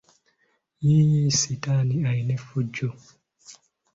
Yiiii...sitaani alina effujjo!